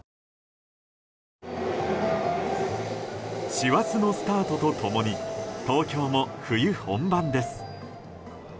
師走のスタートと共に東京も冬本番です。